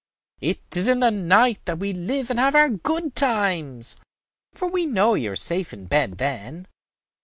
It is in the night that we live and have our good times, for we know you are safe in bed then."